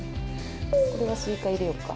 これはスイカ入れようか。